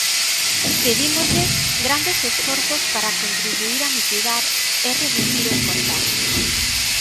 Pedímoslles grandes esforzos para contribuír a mitigar e reducir os contaxios.